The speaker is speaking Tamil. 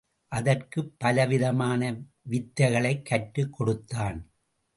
அதற்குப் பலவிதமான வித்தைகளைக் கற்றுக் கொடுத்தான்.